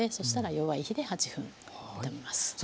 したら弱い火で８分炒めます。